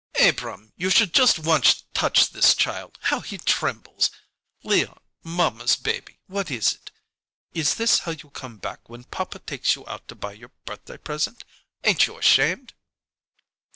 "Abrahm, you should just once touch this child! How he trembles! Leon mamma's baby what is it? Is this how you come back when papa takes you out to buy your birthday present? Ain't you ashamed?"